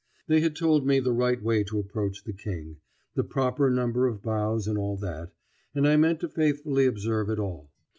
They had told me the right way to approach the King, the proper number of bows and all that, and I meant to faithfully observe it all.